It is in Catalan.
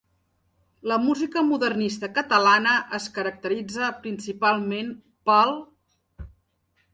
La música modernista catalana es caracteritza principalment pel:.